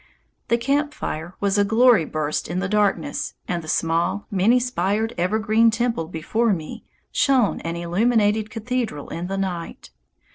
The camp fire was a glory burst in the darkness, and the small many spired evergreen temple before me shone an illuminated cathedral in the night.